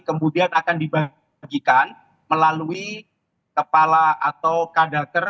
kemudian akan dibagikan melalui kepala atau kadaker